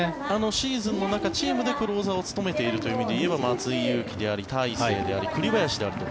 シーズンの中、チームでクローザーを務めているという意味では松井裕樹であり大勢であり栗原であると。